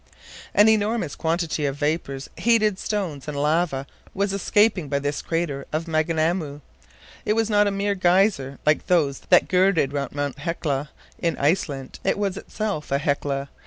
An enormous quantity of vapors, heated stones and lava was escaping by this crater of Maunganamu. It was not a mere geyser like those that girdle round Mount Hecla, in Iceland, it was itself a Hecla.